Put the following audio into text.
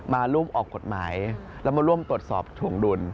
มาร่วมออกกฎหมายแล้วมาร่วมตรวจสอบถวงดุล